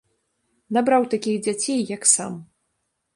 Набраў такіх дзяцей, як сам.